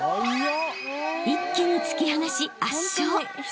［一気に突き放し圧勝］